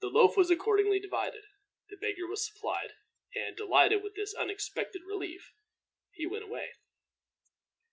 The loaf was accordingly divided, the beggar was supplied, and, delighted with this unexpected relief, he went away.